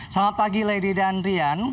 selamat pagi lady dan rian